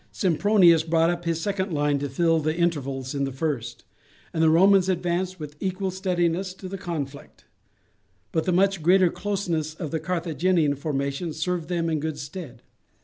Sempronius brought up his second line to fill the intervals in the first, and the Romans advanced with equal steadiness to the conflict; but the much greater closeness of the Carthaginian formation served them in good stead.